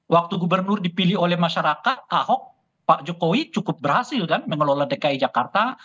waktu gubernur dipilih oleh masyarakat ahok pak jokowi cukup berhasil kan mengelola dki jakarta